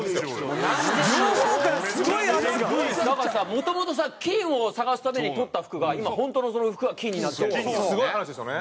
もともとさ金を探すために取った服が今本当のその服が金になってるって事だからね。